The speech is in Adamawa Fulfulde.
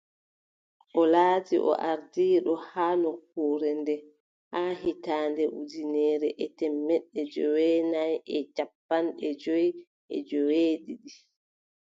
O laati o ardiiɗo haa nokkure nde haa hitaande ujineere e temeɗɗe joweenay cappanɗe jowi e joweeɗiɗi.